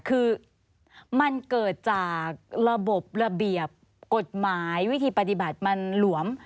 คือมันเกิดจากระบบระเบียบกฎหมายวิธีปฏิบัติมันหลวม